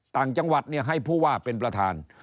ต่างจังหวัดให้ผู้ว่าเป็นประธาน